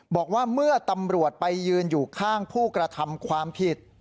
บอกว่าเมื่อตำรวจไปยืนอยู่ข้างผู้กระทำความผิด